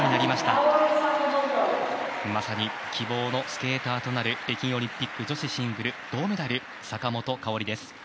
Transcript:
まさに希望のスケーターとなる北京オリンピック女子シングル銅メダル・坂本花織です。